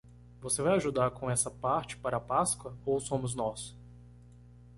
Você vai ajudar com essa parte para a Páscoa ou somos nós?